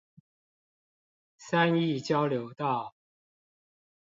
三義交流道